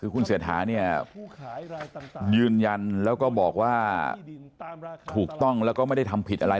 คือคุณเศรษฐาเนี่ยยืนยันแล้วก็บอกว่าถูกต้องแล้วก็ไม่ได้ทำผิดอะไร